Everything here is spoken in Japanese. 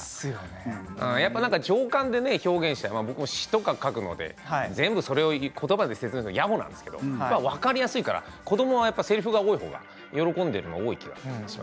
やっぱり情感で表現して、僕は詞とか描くので全部それを言葉で説明するのはやぼなんですけど分かりやすいから子どもはせりふが多い方が喜んでいることが多い気がします。